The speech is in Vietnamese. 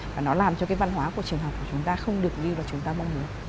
và nó làm cho cái văn hóa của trường học của chúng ta không được đi vào chúng ta mong muốn